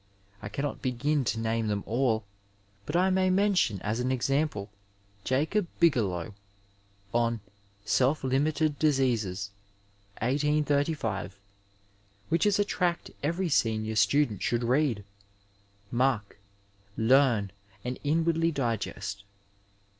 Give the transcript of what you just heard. I cannot begin to name them aU, but I may mention, as an example, Jacob Bigelow on Sdf Umikd Diseases^ 1835, which is a tract every senior student should read, mark, learn and inwardly dig^t.